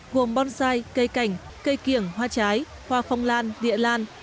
gồm bonsai cây cảnh cây kiểng hoa trái hoa phong lan địa lan